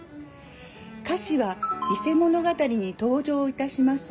歌詞は「伊勢物語」に登場いたします